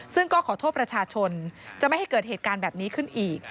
ซึ่งก็ขอโทษประชาชนจะไม่ให้เกิดเหตุการณ์แบบนี้ขึ้นอีก